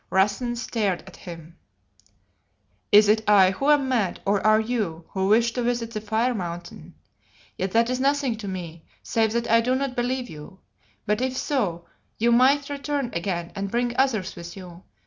Rassen stared at him. "Is it I who am mad, or are you, who wish to visit the Fire mountain? Yet that is nothing to me, save that I do not believe you. But if so you might return again and bring others with you.